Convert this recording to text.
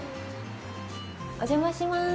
お邪魔します。